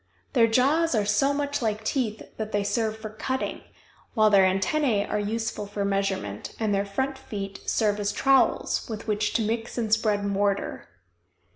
Their jaws are so much like teeth that they serve for cutting, while their antennæ are useful for measurement, and their front feet serve as trowels with which to mix and spread mortar.